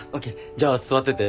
じゃあ座ってて。